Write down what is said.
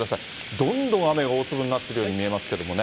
どんどん雨が大粒になっているように見えますけどね。